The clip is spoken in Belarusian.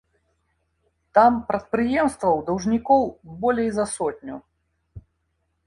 Там прадпрыемстваў-даўжнікоў болей за сотню.